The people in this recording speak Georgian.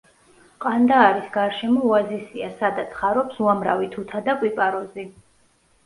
ყანდაარის გარშემო ოაზისია, სადაც ხარობს უამრავი თუთა და კვიპაროზი.